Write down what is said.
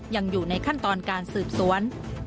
ยังอยู่ในขั้นตอนการสืบสวน